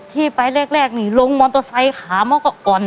ที่ไปแรกนี่ลงมอเตอร์ไซค์ขามันก็อ่อน